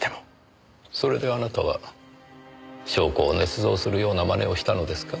それであなたは証拠を捏造するような真似をしたのですか？